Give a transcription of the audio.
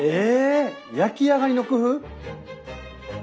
焼き上がりの工夫？